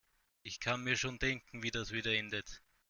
Ich kann mir schon denken, wie das wieder endet.